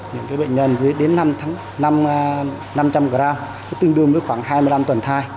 những cái bệnh nhân dưới đến năm trăm linh gram tương đương với khoảng hai mươi năm tuần thai